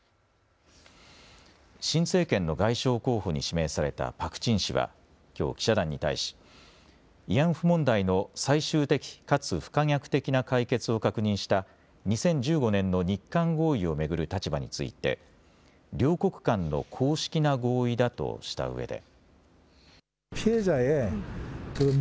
新政権の外相候補に指名されたパク・チン氏はきょう記者団に対し慰安婦問題の最終的かつ不可逆的な解決を確認した２０１５年の日韓合意を巡る立場について、両国間の公式な合意だとしたうえで。